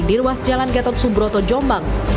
di ruas jalan gatot subroto jombang